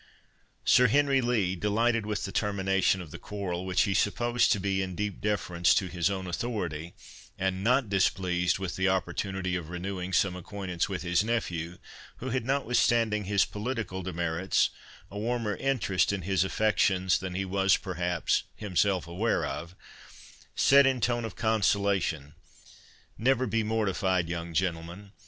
Sir Henry Lee, delighted with the termination of the quarrel, which he supposed to be in deep deference to his own authority, and not displeased with the opportunity of renewing some acquaintance with his nephew, who had, notwithstanding his political demerits, a warmer interest in his affections than he was, perhaps, himself aware of, said, in a tone of consolation, "Never be mortified, young gentlemen.